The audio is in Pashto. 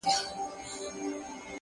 اوس په فلسفه باندي پوهېږمه،